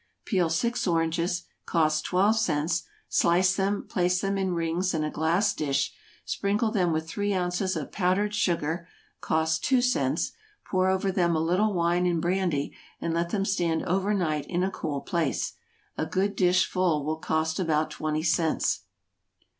= Peel six oranges, (cost twelve cents,) slice them, place them in rings in a glass dish, sprinkle them with three ounces of powdered sugar, (cost two cents,) pour over them a little wine and brandy, and let them stand over night in a cool place. A good dish full will cost about twenty cents.